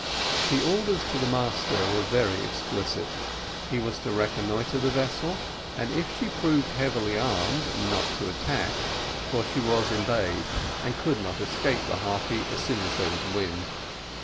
The orders to the master were very explicit; he was to reconnoitre the vessel, and if she proved heavily armed not to attack, for she was embayed, and could not escape the Harpy as soon as there was wind.